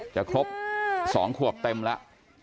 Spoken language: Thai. จะครบ๒ขวบเต็มแล้ว